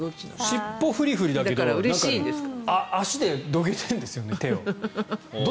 尻尾フリフリだけど足でどけたいんですよね手を。